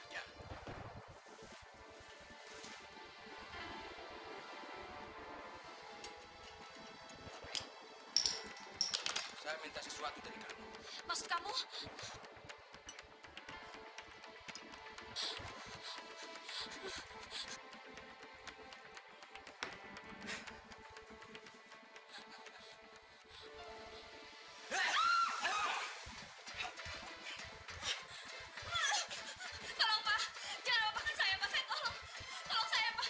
mbak cuma ke lowanal answers